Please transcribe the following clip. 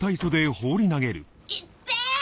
痛ってぇ！